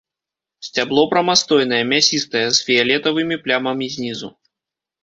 Сцябло прамастойнае, мясістае, з фіялетавымі плямамі знізу.